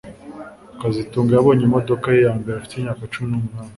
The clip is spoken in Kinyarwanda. kazitunga yabonye imodoka ye ya mbere afite imyaka cumi numunani